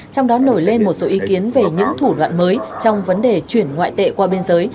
trong đó nổi lên một số ý kiến về những thủ đoạn mới trong vấn đề chuyển ngoại tệ qua biên giới